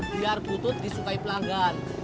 biar butut disukai pelanggan